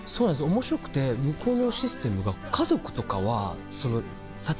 面白くて向こうのシステムが。